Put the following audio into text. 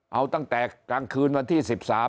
เอาตั้งแต่กลางคืนวันที่๑๓